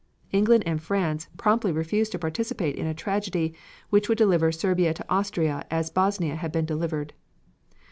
England and France promptly refused to participate in a tragedy which would deliver Serbia to Austria as Bosnia had been delivered.